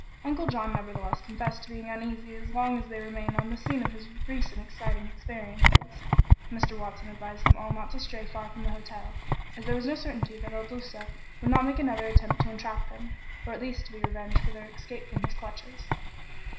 Uncle John nevertheless confessed to being uneasy as long as they remained on the scene of his recent exciting experiences. Mr. Watson advised them all not to stray far from the hotel, as there was no certainty that Il Duca would not make another attempt to entrap them, or at least to be revenged for their escape from his clutches.